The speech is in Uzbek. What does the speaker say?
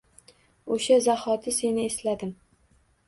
O’sha zahoti seni esladim.